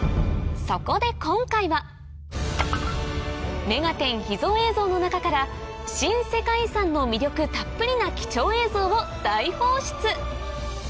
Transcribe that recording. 今回は『目がテン！』秘蔵映像の中から新世界遺産の魅力たっぷりな貴重映像を大放出！